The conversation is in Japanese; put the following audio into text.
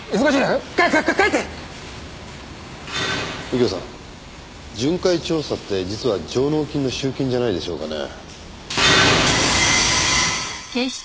右京さん巡回調査って実は上納金の集金じゃないでしょうかね？